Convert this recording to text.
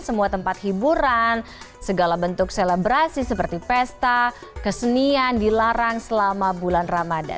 semua tempat hiburan segala bentuk selebrasi seperti pesta kesenian dilarang selama bulan ramadan